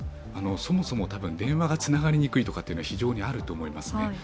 そもそも電話がつながりにくいというのは非常にあると思います。